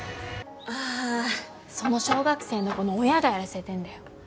ああその小学生の子の親がやらせてんだよ